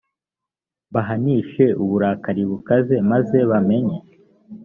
mbahanishe uburakari bukaze maze bamenye